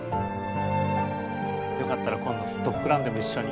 よかったら今度ドッグランでも一緒に。